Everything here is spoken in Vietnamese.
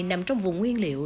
nằm trong vùng nguyên liệu